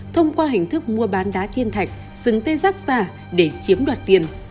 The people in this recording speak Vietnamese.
thông qua hình thức mua bán đá thiên thạch sừng tê giác giả để chiếm đoạt tiền